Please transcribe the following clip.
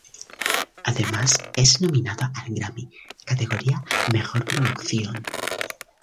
Además es nominado al "Grammy", categoría Mejor producción.